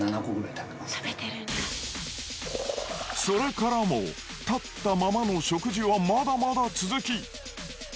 それからも立ったままの食事はまだまだ続き。